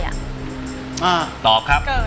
อ่าตอบครับ